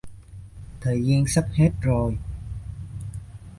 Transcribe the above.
thời gian sắp hết rồi